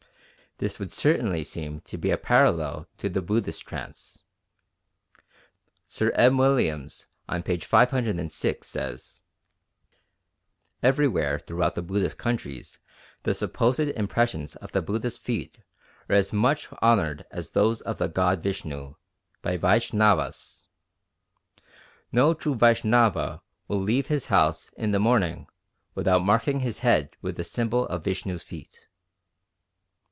This would certainly seem to be a parallel to the Buddhist trance. Sir M. Williams on p. 506 says, "Everywhere throughout the Buddhist countries the supposed impressions of the Buddha's feet are as much honoured as those of the god Vishnu by Vaishnavas.... No true Vaishnava will leave his house in the morning without marking his forehead with the symbol of Vishnu's feet."